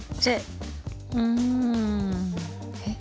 うん。えっ？